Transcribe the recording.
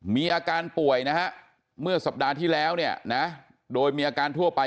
มีอาการป่วยนะฮะเมื่อสัปดาห์ที่แล้วเนี่ยนะโดยมีอาการทั่วไป